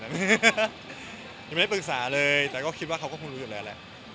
ยังไม่ได้ปรึกษาเลยแต่คิดว่าเค้าก็คงรู้สึกแล้ว